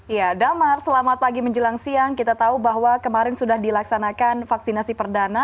ya damar selamat pagi menjelang siang kita tahu bahwa kemarin sudah dilaksanakan vaksinasi perdana